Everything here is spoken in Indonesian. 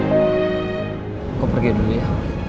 aku pergi dulu ya